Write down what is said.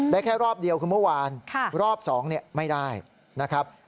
แค่รอบเดียวคือเมื่อวานรอบ๒ไม่ได้นะครับ